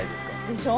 でしょ？